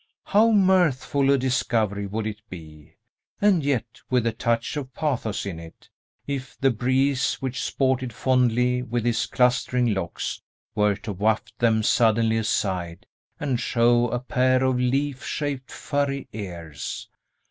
How mirthful a discovery would it be (and yet with a touch of pathos in it), if the breeze which sported fondly with his clustering locks were to waft them suddenly aside, and show a pair of leaf shaped, furry ears!